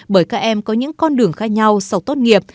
bởi các em có những con đường khác nhau sau tốt nghiệp